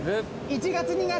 １月２月！